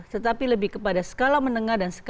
tetapi lebih kepada skala menengah dan skala